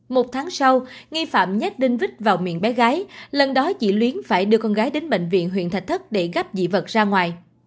một tháng sau nghi phạm nhét đinh vít vào miệng bé gái lần đó chị luyến phải đưa con gái đến bệnh viện huyện thạch thất để gắp dị vật ra ngoài